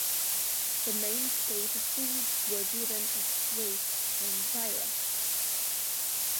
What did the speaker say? The main staple foods were given as wheat and bajra.